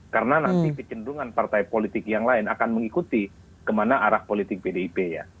karena nanti pecendungan partai politik yang lain akan mengikuti kemana arah politik pdip ya